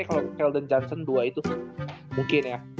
kalo kelton johnson dua itu mungkin ya